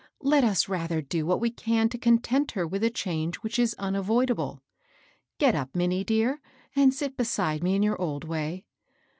" Let us rather do what we can to content her with a change which is unavoidable. Get up, Minnie dear, and sit be side me in your old way.